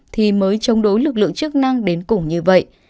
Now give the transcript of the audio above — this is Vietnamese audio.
thì mới chống đối lực lượng chức năng đến cùng như vậy